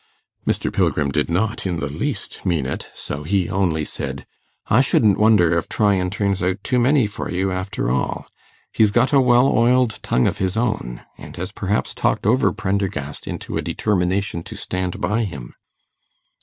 Mr. Pilgrim did not in the least mean it, so he only said, 'I shouldn't wonder if Tryan turns out too many for you, after all. He's got a well oiled tongue of his own, and has perhaps talked over Prendergast into a determination to stand by him.